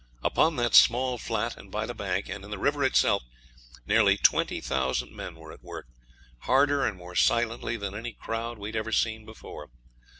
Upon that small flat, and by the bank, and in the river itself, nearly 20,000 men were at work, harder and more silently than any crowd we'd ever seen before.